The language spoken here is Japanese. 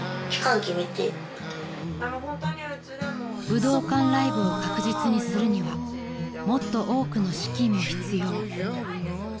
［武道館ライブを確実にするにはもっと多くの資金も必要］